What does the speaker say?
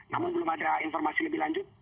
namun belum ada informasi lebih lanjut